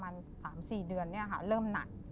ประมาณ๓๔เดือนเนี่ยค่ะเริ่มหนัก